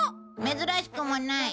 珍しくもない。